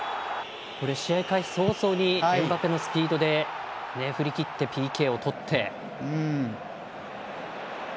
試合開始早々にエムバペのスピードで振り切ってＰＫをとって。